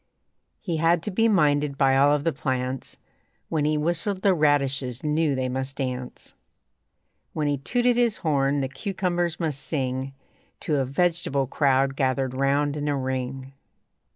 He had to be minded by all of the plants; When he whistled the radishes knew they must dance; When he tooted his horn the cucumbers must sing To a vegetable crowd gathered round in a ring.